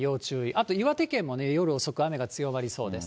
あと岩手県もね、夜遅く、雨が強まりそうです。